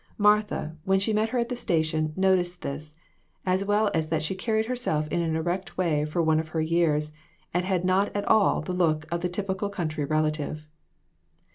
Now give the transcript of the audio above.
Martha, when she met her at the station, noticed this, as well as that she carried herself in an erect way for one of her years, and had not at all the look of the typical country relative.